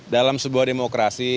dalam sebuah demokrasi